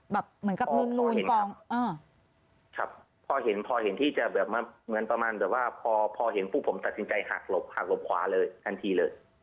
เหมือนกับนูนกองครับพอเห็นพอเห็นที่จะแบบมาเหมือนประมาณแบบว่าพอพอเห็นปุ๊บผมตัดสินใจหักหลบหักหลบขวาเลยทันทีเลย